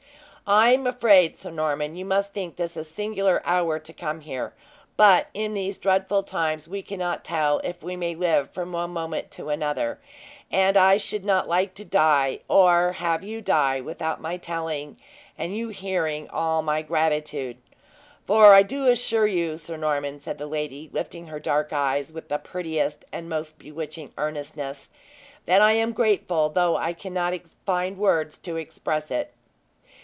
"I'm afraid, Sir Norman, you must think this a singular hour to come here; but, in these dreadful times, we cannot tell if we may live from one moment to another; and I should not like to die, or have you die, without my telling, and you hearing, all my gratitude. For I do assure you, Sir Norman," said the lady, lifting her dark eyes with the prettiest and most bewitching earnestness, "that I am grateful, though I cannot find words to express it."